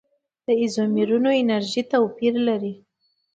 د ایزومرونو انرژي توپیر لري.